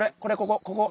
ここここ！